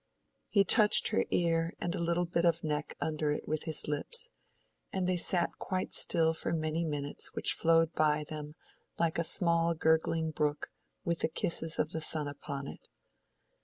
He touched her ear and a little bit of neck under it with his lips, and they sat quite still for many minutes which flowed by them like a small gurgling brook with the kisses of the sun upon it.